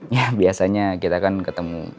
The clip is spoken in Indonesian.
ya biasanya kita kan ketemu